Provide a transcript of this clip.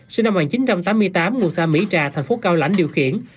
sinh năm một nghìn chín trăm tám mươi tám nguồn xa mỹ trà thành phố cao lãnh điều khiển